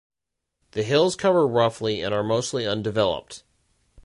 The hills cover roughly and are mostly undeveloped.